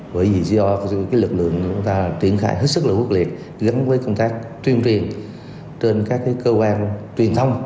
bởi vì do lực lượng chúng ta triển khai rất là quốc liệt gắn với công tác tuyên truyền trên các cơ quan truyền thông